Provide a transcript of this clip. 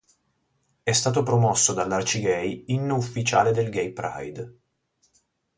È stato promosso dall'Arcigay inno ufficiale del Gay Pride.